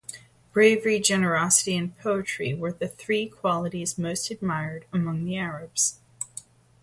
Bravery, generosity, and poetry were the three qualities most admired among the Arabs.